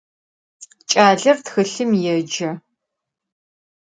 Ç'aler txılhım yêce.